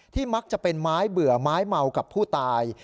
มักจะเป็นไม้เบื่อไม้เมากับผู้ตาย